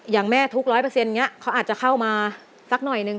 อย่างแม่ทุกข์๑๐๐เขาอาจจะเข้ามาสักหน่อยหนึ่ง